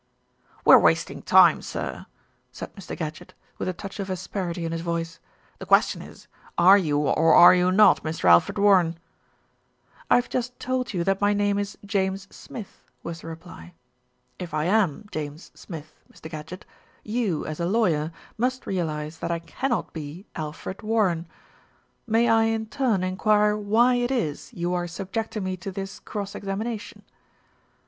"We are wasting time, sir," said Mr. Gadgett, with a touch of asperity in his voice. "The question is, are you or are you not Mr. Alfred Warren?" "I have just told you that my name is James Smith,'* 244 THE RETURN OF ALFRED was the reply. "If I am James Smith, Mr. Gadgett, you, as a lawyer, must realise that I cannot be Alfred Warren. May I in turn enquire why it is you are subjecting me to this cross examination?"